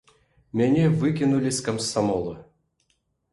Мяне выкінулі з камсамола.